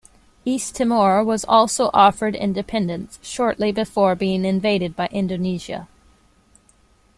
East Timor was also offered independence, shortly before being invaded by Indonesia.